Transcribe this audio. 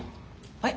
はい。